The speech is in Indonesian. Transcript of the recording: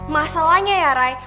masalahnya ya raya